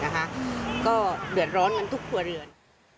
ก็เดือดร้อนกันทุกครัวเรือน